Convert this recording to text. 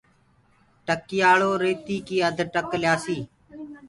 ٽڪيآݪِو ريتيو ڪي آڌي ٽڪ ليآسي